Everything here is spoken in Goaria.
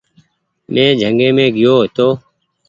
مينٚ جنگي مينٚ گيو هيتو